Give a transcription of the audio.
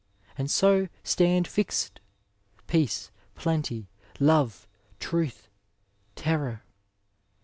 And so stand fix*d. Peace, plenty, love, truth, ter.or.